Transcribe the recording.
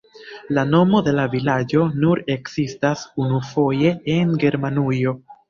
La nomo de la vilaĝo nur ekzistas unufoje en Germanujo.